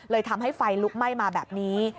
ทำให้ไฟลุกไหม้มาแบบนี้